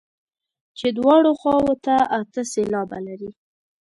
چې دواړو خواوو ته اته سېلابه لري.